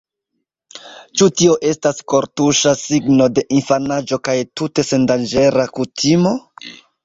Ĉu tio estas kortuŝa signo de infanaĝo kaj tute sendanĝera kutimo?